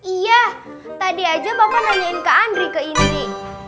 iya tadi aja bapak nanyain kak andri ke indri